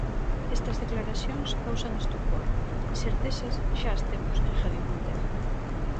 "Estas declaracións causan estupor, incertezas xa as temos", engadiu Montero.